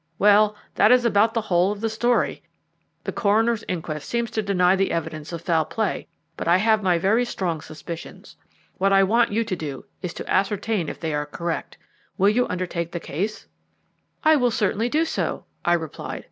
Well, that is about the whole of the story. The coroner's inquest seems to deny the evidence of foul play, but I have my very strong suspicions. What I want you to do is to ascertain if they are correct. Will you undertake the case?" "I will certainly do so," I replied.